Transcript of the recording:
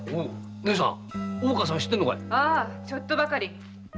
ああちょっとばかり。